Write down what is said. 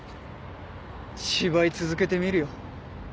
芝居続けてみるよ。